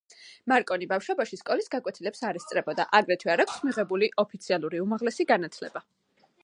მარკონი ბავშვობაში სკოლის გაკვეთილებს არ ესწრებოდა, აგრეთვე არ აქვს მიღებული ოფიციალური უმაღლესი განათლება.